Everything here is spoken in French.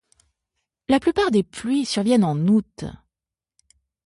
La plupart des pluies surviennent en Août.